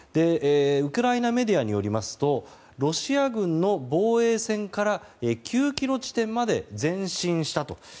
ウクライナメディアによりますとロシア軍の防衛線から９ｋｍ地点まで前進したと。